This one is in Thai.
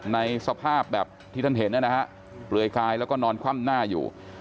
ในสภาพแบบที่ท่านเห็นนะฮะเปลือยกายแล้วก็นอนคว่ำหน้าอยู่